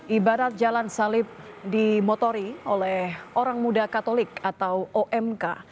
ibarat jalan salib dimotori oleh orang muda katolik atau omk